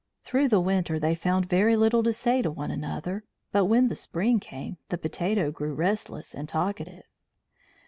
Through the winter they found very little to say to one another, but when the spring came the potato grew restless and talkative.